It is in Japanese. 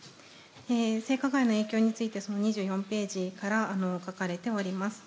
性加害の影響について、その２４ページから書かれております。